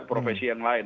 profesi yang lain